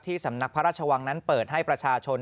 สำนักพระราชวังนั้นเปิดให้ประชาชน